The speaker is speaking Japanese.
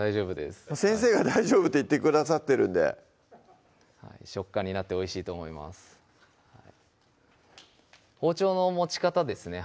先生が「大丈夫」って言ってくださってるんで食感になっておいしいと思います包丁の持ち方ですね